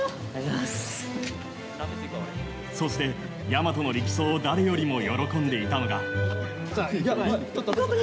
そして、大和の力走を誰よりも喜んでいたのが。